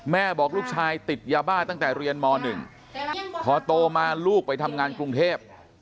บอกลูกชายติดยาบ้าตั้งแต่เรียนม๑พอโตมาลูกไปทำงานกรุงเทพ